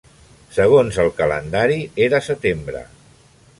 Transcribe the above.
Segons el calendari, era setembre.